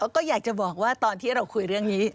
ก็อยากจะบอกว่าตอนที่เราคุยเรื่องนี้